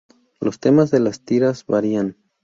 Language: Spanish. Los temas de las tiras varían.